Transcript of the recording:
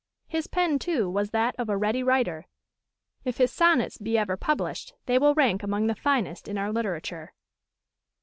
His pen, too, was that of a ready writer; if his sonnets be ever published, they will rank among the finest in our literature.